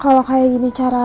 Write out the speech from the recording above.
kalau kayak gini caranya